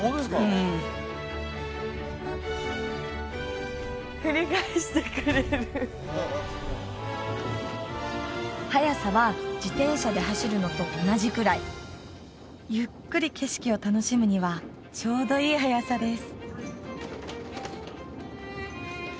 うん振り返してくれる速さは自転車で走るのと同じくらいゆっくり景色を楽しむにはちょうどいい速さです